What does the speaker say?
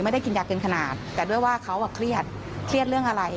กินยาเกินขนาดแต่ด้วยว่าเขาเครียดเครียดเรื่องอะไร